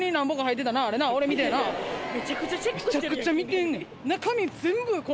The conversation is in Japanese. めちゃくちゃ見てんねん。